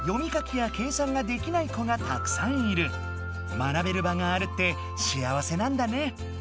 学べる場があるってしあわせなんだね！